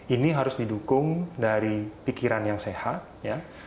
ini harus didukung dari pikiran yang penting yang penting untuk membuat pasien itu lebih baik